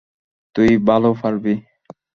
তুই ভালো পারবি।